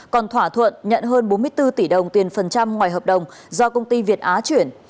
còn thỏa thuận nhận hơn bốn mươi bốn tỷ đồng tiền phần trăm ngoài hợp đồng do công ty việt á chuyển